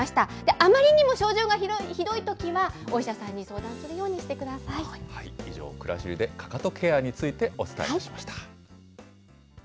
あまりにも症状がひどいときは、お医者さんに相談するようにして以上、くらしりでかかとケアについてお伝えしました。